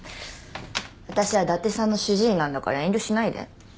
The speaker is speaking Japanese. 私は伊達さんの主治医なんだから遠慮しないで。